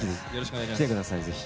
来てください、ぜひ。